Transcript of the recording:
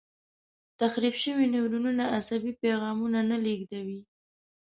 تخریب شوي نیورونونه عصبي پیغامونه نه لېږدوي.